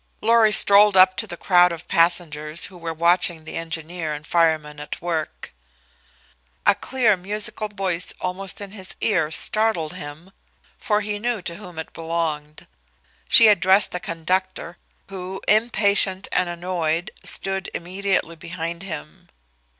Lorry strolled up to the crowd of passengers who were watching the engineer and fireman at work. A clear, musical voice, almost in his ear, startled him, for he knew to whom it belonged. She addressed the conductor, who, impatient and annoyed, stood immediately behind him.